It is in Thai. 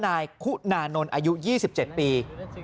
นายคุณานนท์อายุ๒๗ปี